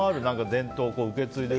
伝統を受け継いでる。